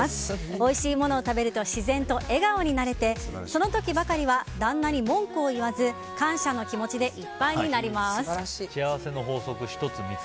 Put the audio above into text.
おいしいものを食べると自然と笑顔になれてその時ばかりは旦那に文句を言わず洗っても落ちない